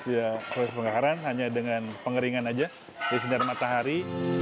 ya proses pembakaran hanya dengan pengeringan saja dari sinar matahari